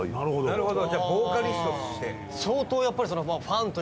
なるほど。